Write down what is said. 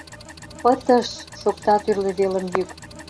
Пытыш! — шокта тӱрлӧ велым йӱк.